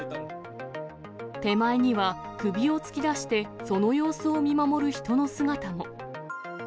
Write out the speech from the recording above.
手前には首を突き出して、その様子を見守る人の姿も。